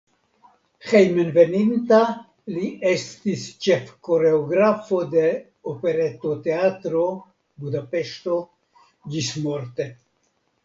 Hejmenveninta li estis ĉefkoreografo de Operetoteatro (Budapeŝto) ĝismorte.